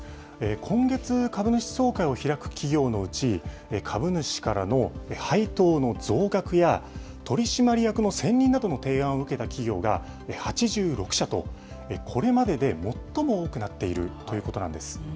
今月株主総会を開く企業のうち、株主からの配当の増額や、取締役の選任などの提案を受けた企業が８６社と、これまでで最も多くなっているということなんです。